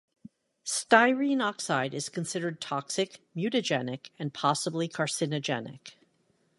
Styrene oxide is considered toxic, mutagenic, and possibly carcinogenic.